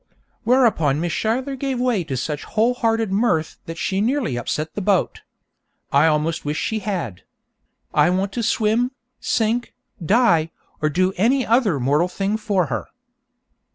Whereupon Miss Schuyler gave way to such whole hearted mirth that she nearly upset the boat. I almost wish she had! I want to swim, sink, die, or do any other mortal thing for her.